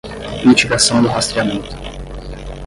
mitigação do rastreamento